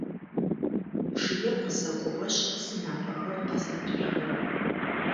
Чъыер къысэкӏугъэшъ сынапӏэхэр къэсӏэтышъухэрэп.